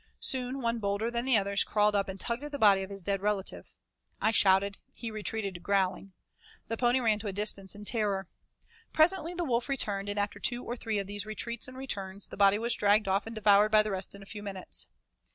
Soon one bolder than the others crawled up and tugged at the body of his dead relative. I shouted and he retreated growling. The pony ran to a distance in terror. Presently the wolf returned, and after after two or three of these retreats and returns, the body was dragged off and devoured by the rest in a few minutes.